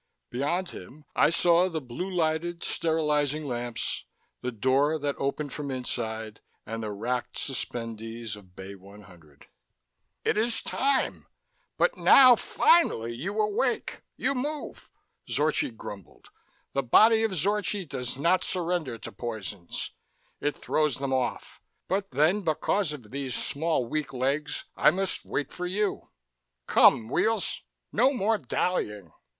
Beyond him, I saw the blue lighted sterilizing lamps, the door that opened from inside, and the racked suspendees of Bay 100. "It is time! But now finally you awake, you move!" Zorchi grumbled. "The body of Zorchi does not surrender to poisons; it throws them off. But then because of these small weak legs, I must wait for you! Come, Weels, no more dallying!